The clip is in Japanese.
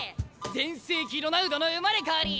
全盛期ロナウドの生まれ変わり！